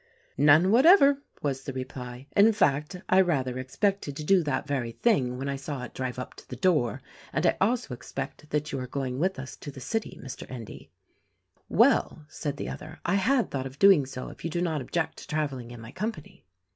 "None whatever," was the reply; "in fact I rather expected to do that very thing when I saw it drive up to the door; and I also expect that you are going with us to the city, Mr. Endy." "Well," said the other, "I had thought of doing so if you do not object to traveling in my company."